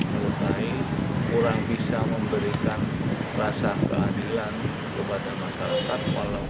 melukai kurang bisa memberikan rasa keadilan kepada masyarakat